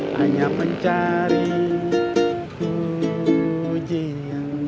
hanya mencari rezeki dengan cara yang haram